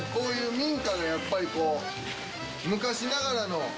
民家がやっぱりこう昔ながらの。